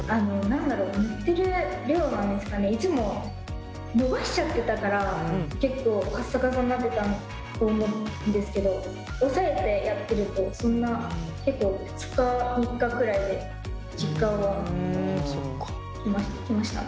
何だろう塗ってる量なんですかねいつも伸ばしちゃってたから結構カッサカサになってたと思うんですけど押さえてやってるとそんな結構２日３日くらいで実感はきました。